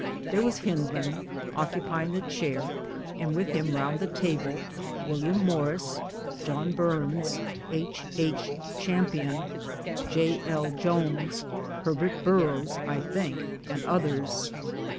There was Hyndman, occupying the chair, and with him round the table, William Morris, John Burns, H. H. Champion, J. L. Joynes, Herbert Burrows (I think) and others.